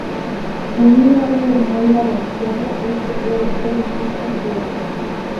En un árbol mal balanceado, esto puede ser muy considerable.